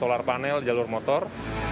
dan juga ada panel jalur motor